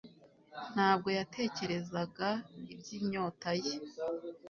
Ntabwo yatekerezaga iby'inyota ye,